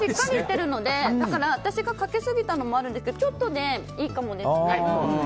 だから、私がかけ過ぎたのもあるんですけどちょっとでいいかもですね。